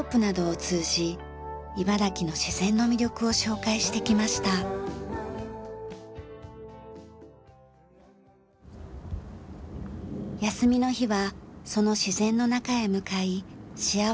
休みの日はその自然の中へ向かい幸福時間を過ごします。